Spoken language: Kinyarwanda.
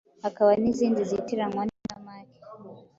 Hakaba n’izindi zitiranywa n’isamake